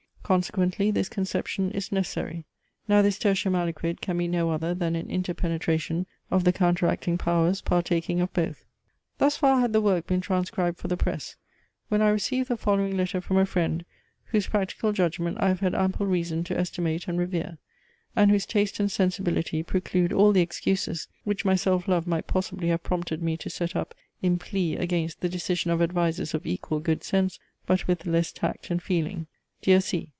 Consequently this conception is necessary. Now this tertium aliquid can be no other than an inter penetration of the counteracting powers, partaking of both. Thus far had the work been transcribed for the press, when I received the following letter from a friend, whose practical judgment I have had ample reason to estimate and revere, and whose taste and sensibility preclude all the excuses which my self love might possibly have prompted me to set up in plea against the decision of advisers of equal good sense, but with less tact and feeling. "Dear C.